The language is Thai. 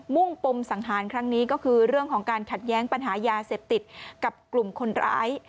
่งปมสังหารครั้งนี้ก็คือเรื่องของการขัดแย้งปัญหายาเสพติดกับกลุ่มคนร้าย